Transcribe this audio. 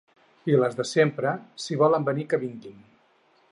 I les de sempre, si volen venir, que vinguin.